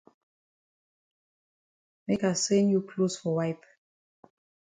Make I send you closs for wipe.